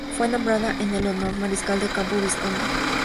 Fue nombrada en honor del mariscal de campo, vizconde Edmund Allenby.